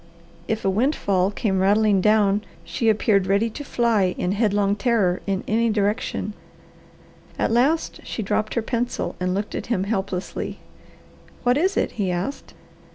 If a windfall came rattling down she appeared ready to fly in headlong terror in any direction. At last she dropped her pencil and looked at him helplessly. "What is it?" he asked.